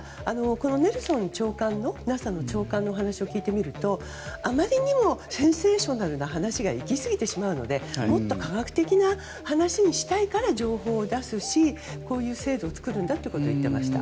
このネルソン長官のＮＡＳＡの長官のお話を聞いてみるとあまりにもセンセーショナルな話がいきすぎてしまうのでもっと科学的な話にしたいから情報を出すし、こういう制度を作るんだということを言っていました。